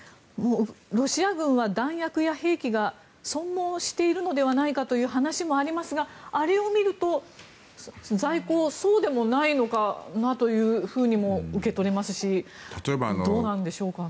ロシア軍は弾薬や兵器が損耗しているのではないかという話もありますがあれを見ると在庫、そうでもないのかなというふうにも受け取れますしどうなんでしょうかね。